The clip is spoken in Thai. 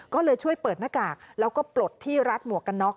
ก็เลยช่วยเปิดหน้ากากแล้วก็ปลดที่รัดหมวกกันน็อก